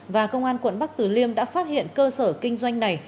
và công an quận bắc tử liêm đã phát hiện cơ sở kinh doanh này